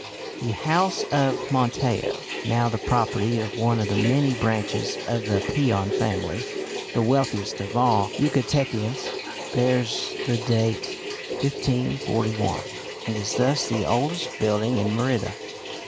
The house of Montejo now the property of one of the many branches of the Peon family, the wealthiest of all Yucatecans bears the date 1541, and is thus the oldest building in Merida.